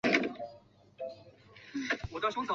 并邀请国内外访问学者参与重点小组的学术活动。